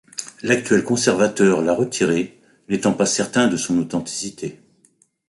L'actuel conservateur l'a retiré, n'étant pas certain de son authenticité.